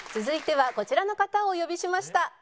続いてはこちらの方をお呼びしました。